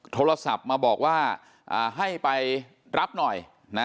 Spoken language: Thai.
โทรศัพท์มาบอกว่าให้ไปรับหน่อยนะ